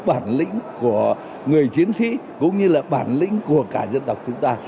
bản lĩnh của người chiến sĩ cũng như là bản lĩnh của cả dân tộc chúng ta